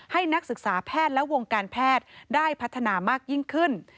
นักศึกษาแพทย์และวงการแพทย์ได้พัฒนามากยิ่งขึ้น